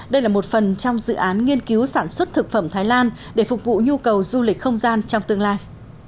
đây là một phần trong dự án nghiên cứu sản xuất thực phẩm thái lan để phục vụ nhu cầu du lịch không gian trong tương lai